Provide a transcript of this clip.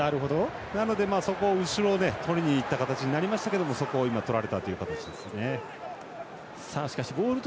なので、そこを後ろでとりにいった形になりましたがとられたという形ですね。